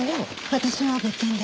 私は別件で。